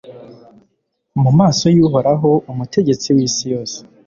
mu maso y'uhoraho, umutegetsi w'isi yose